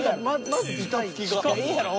ええやろ。